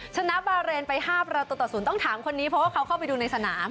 ชนะบาเรนไปห้าประตุศูนย์ต้องถามคนนี้เพราะเขาเข้าไปดูในสนาม